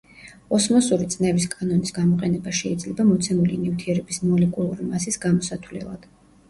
ოსმოსური წნევის კანონის გამოყენება შეიძლება მოცემული ნივთიერების მოლეკულური მასის გამოსათვლელად.